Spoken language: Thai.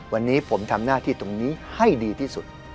วันนี้ผมทำหน้าที่ตรงนี้ให้ดีที่สุด